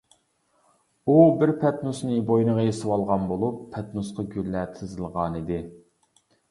ئۇ بىر پەتنۇسنى بوينىغا ئېسىۋالغان بولۇپ، پەتنۇسقا گۈللەر تىزىلغانىدى.